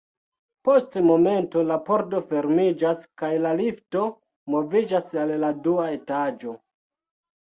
Post momento la pordo fermiĝas kaj la lifto moviĝas al la dua etaĝo.